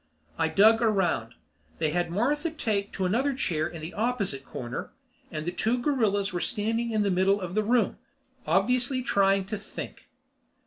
I dug around. They had Martha taped to another chair in the opposite corner, and the two gorillas were standing in the middle of the room, obviously trying to think.